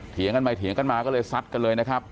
เถียงกันไปเถียงกันมาก็เลยซัดกันเลยนะครับ